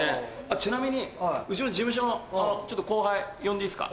ちなみにうちの事務所の後輩呼んでいいっすか？